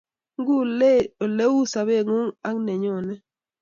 Ng'ulei ole uu sobeng'ung' ak nenyone